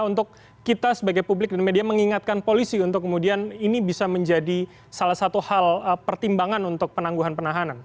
untuk kita sebagai publik dan media mengingatkan polisi untuk kemudian ini bisa menjadi salah satu hal pertimbangan untuk penangguhan penahanan